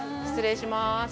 失礼します。